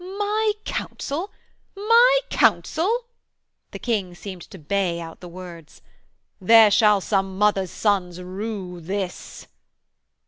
'My Council! My Council!' The King seemed to bay out the words. 'There shall some mothers' sons rue this!'